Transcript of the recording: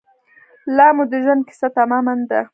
لامو د ژوند کیسه تمامه نه ده